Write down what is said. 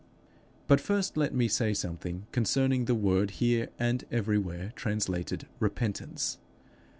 But first let me say something concerning the word here and everywhere translated repentance.